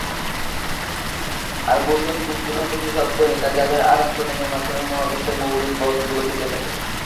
আর boson শ্রেণীতে থাকে সেসব কণিকা, যাদের আদান প্রদানের মাধ্যমে মহাবিশ্বের মৌলিক বলগুলো টিকে থাকে।